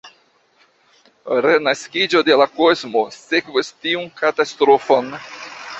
Renaskiĝo de la kosmo sekvos tiun katastrofon.